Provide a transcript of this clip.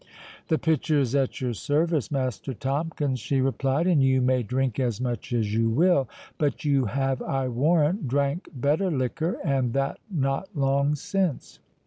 "The pitcher is at your service, Master Tomkins," she replied, "and you may drink as much as you will; but you have, I warrant, drank better liquor, and that not long since."